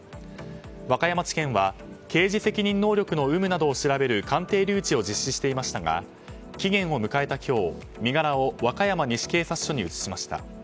和歌山地検は刑事責任能力の有無などを調べる鑑定留置を実施していましたが期限を迎えた今日身柄を和歌山西警察署に移しました。